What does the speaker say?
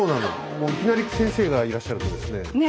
もういきなり先生がいらっしゃるとですね